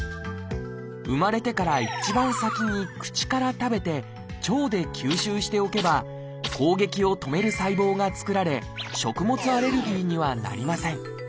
生まれてから一番先に口から食べて腸で吸収しておけば攻撃を止める細胞が作られ食物アレルギーにはなりません。